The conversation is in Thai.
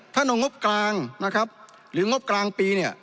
เอางบกลางนะครับหรืองบกลางปีเนี่ย